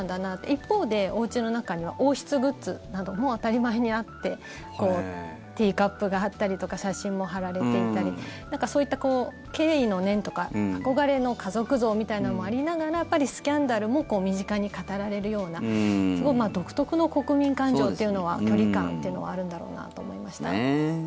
一方でおうちの中には王室グッズなども当たり前にあってティーカップがあったりとか写真も貼られていたりそういった敬意の念とか憧れの家族像みたいなものもありながらスキャンダルも身近に語られるような独特の国民感情というのは距離感っていうのはあるんだろうなと思いました。